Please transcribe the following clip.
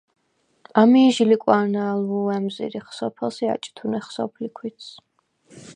ამი̄ ჟი ლიკვა̄ნა̄ლვ ა̈მზჷრიხ სოფელს ი აჭთუნეხ სოფლი ქვითს.